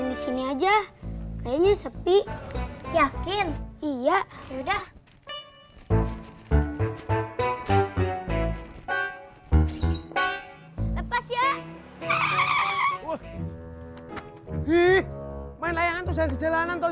ih main layangan tuh saya di jalanan tuh